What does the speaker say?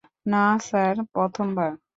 না, স্যার, প্রথম বার।